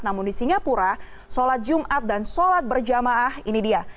namun di singapura sholat jumat dan sholat berjamaah ini dia